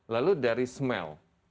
lalu dari smell